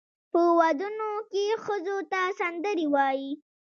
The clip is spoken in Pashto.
په ودونو کې ښځو ته سندرې وایي.